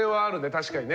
確かにね。